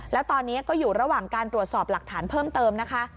แล้วตอนนี้ก็อยู่ระหว่างการตรวจสอบหลักฐานเพิ่มเติมนะคะ